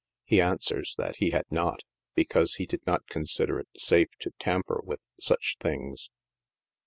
He answers that he had not, because he did not consider it safe to tamper with such things.